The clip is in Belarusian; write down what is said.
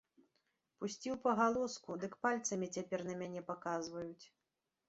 Пусціў пагалоску, дык пальцамі цяпер на мяне паказваюць.